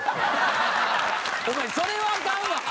お前それはアカンわ！